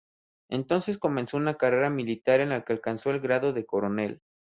Entonces comenzó una carrera militar en la que alcanzó el grado de coronel.